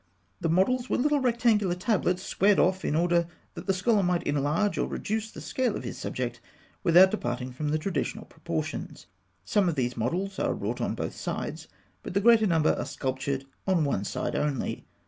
The models were little rectangular tablets, squared off in order that the scholar might enlarge or reduce the scale of his subject without departing from the traditional proportions. Some of these models are wrought on both sides; but the greater number are sculptured on one side only.